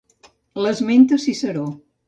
L'esmenta Ciceró.